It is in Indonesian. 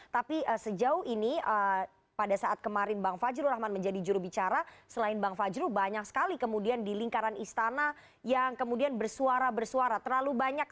tapi sejauh ini pada saat kemarin bang fajrul rahman menjadi jurubicara selain bang fajru banyak sekali kemudian di lingkaran istana yang kemudian bersuara bersuara terlalu banyak